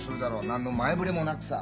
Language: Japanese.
何の前触れもなくさ。